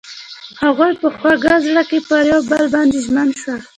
هغوی په خوږ زړه کې پر بل باندې ژمن شول.